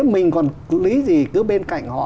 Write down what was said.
mình còn lý gì cứ bên cạnh họ